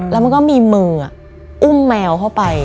แล้วมันก็มีมืออุ้มแมวเข้าไป